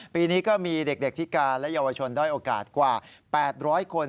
ปีนี้ก็มีเด็กพิการและเยาวชนด้อยโอกาสกว่า๘๐๐คน